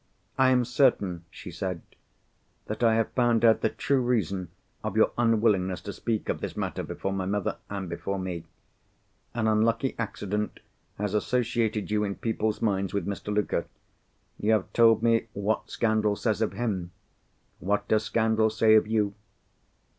"I am certain," she said, "that I have found out the true reason of your unwillingness to speak of this matter before my mother and before me. An unlucky accident has associated you in people's minds with Mr. Luker. You have told me what scandal says of him. What does scandal say of _you?